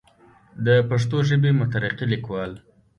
دَ پښتو ژبې مترقي ليکوال